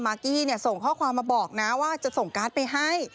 กี้ส่งข้อความมาบอกนะว่าจะส่งการ์ดไปให้